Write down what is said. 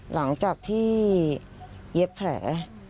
หลังจากที่เย็บแผล